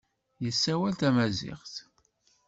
Yessawal tamaziɣt.